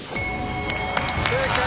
正解！